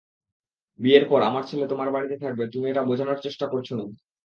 বিয়ের পর আমার ছেলে তোমার বাড়িতে থাকবে তুমি এটা বুঝানোর চেষ্টা করছো নাকি?